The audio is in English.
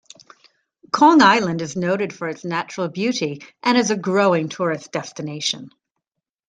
Khong Island is noted for its natural beauty and is a growing tourist destination.